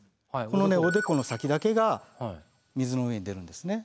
このおでこの先だけが水の上に出るんですね。